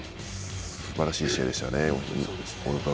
すばらしい試合でした。